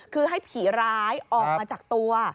คือให้ผีร้ายออกมาจากตัว